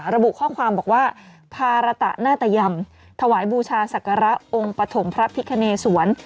ระบุข้อความบอกว่าภาระตะนาตยำถวายบูชาศักระองค์ปฐมพระพิคเนสวน